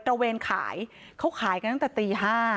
ระเวนขายเขาขายกันตั้งแต่ตี๕